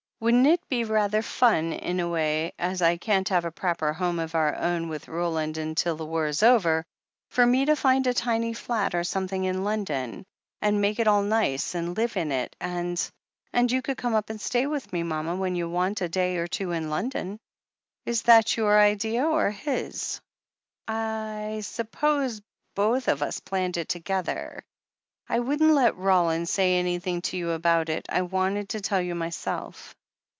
"Wouldn't it be rather fun, in a way — ^as I can't have a proper home of our own with Roland till the war's over — for me to find a tiny flat or something in London, and make it all nice and live in it, and — and you come up and stay with me, mama, when you want a day or two in London?" "Is that your idea — or his ?" "I — I suppose both of us planned it together. I wouldn't let Roland say anything to you about it — I wanted to tell you myself."